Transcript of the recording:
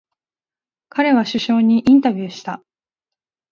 彼は首相にインタビューした。